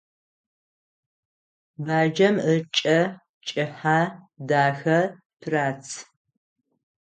Баджэм ыкӏэ кӏыхьэ, дахэ, пырац.